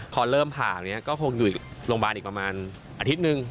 พอเริ่มภาพก็อยู่โรงพยาบาลอีกประมาณอาทิตย์๑